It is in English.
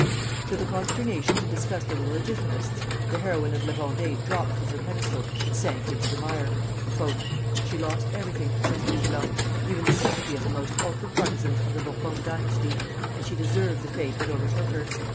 To the consternation and disgust of the Legitimists, the heroine of La Vendée dropped from her pedestal and sank into the mire. "She lost everything," says Louis Blanc, "even the sympathy of the most ultra partisans of the Bourbon dynasty; and she deserved the fate that overtook her.